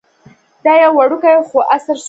دا یو وړوکی خو عصري سټور و.